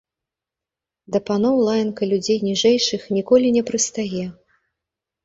Да паноў лаянка людзей ніжэйшых ніколі не прыстае.